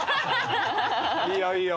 いいよいいよ。